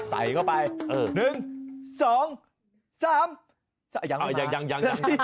ใส่เข้าไปหนึ่งสองสามยังยังยัง